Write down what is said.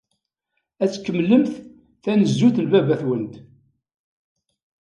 Ad tkemmlemt tanezzut n baba-twent.